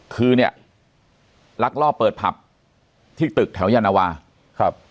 คือเนี่ยลักล่อเปิดผักที่ตึกแถวแย่นาวา